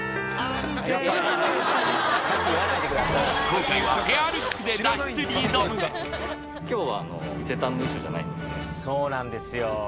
今回はペアルックで脱出に挑むそうなんですよ